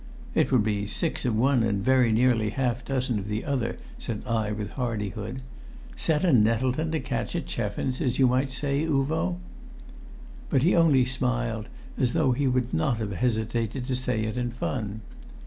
"It would be six of one and very nearly half a dozen of the other," said I with hardihood. "Set a Nettleton to catch a Cheffins, as you might say, Uvo!" But he only smiled, as though he would not have hesitated to say it in fun.